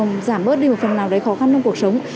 giảm bớt đi một phần nào đấy khó khăn trong cuộc sống